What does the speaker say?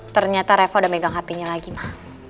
ternyata reva udah megang hpnya lagi ma